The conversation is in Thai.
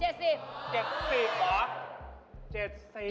เจ็ดสิบเจ็ดสิบเหรอเจ็ดสิบ